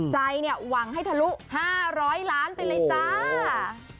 ใจเนี่ยหวังให้ทะลุ๕๐๐ล้านไปเลยจ้า